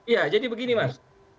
ya jadi begini mas